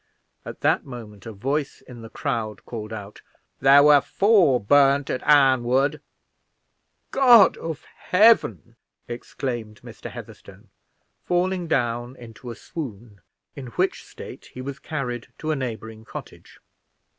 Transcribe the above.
At that moment a voice in the crowd called out, "There were four burned at Arnwood!" "God of Heaven!" exclaimed Mr. Heatherstone, falling down in a swoon, in which state he was carried to a neighboring cottage.